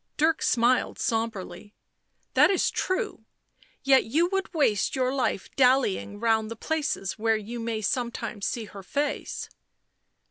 Dirk smiled sombrely. " That is true. Yet you would waste your life dallying round the places where you may sometimes see her face."